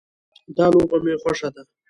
دا لوبه مې خوښه ده